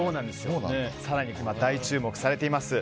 更に今、大注目されています。